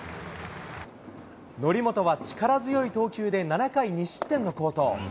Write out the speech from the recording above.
則本は力強い投球で、７回２失点の好投。